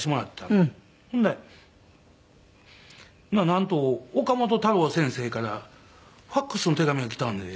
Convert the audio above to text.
なんと岡本太郎先生からファクスの手紙が来たんで。